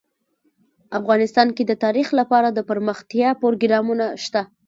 افغانستان کې د تاریخ لپاره دپرمختیا پروګرامونه شته.